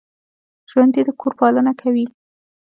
ژوندي د کور پالنه کوي